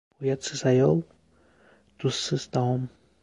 • Uyatsiz ayol — tuzsiz taom.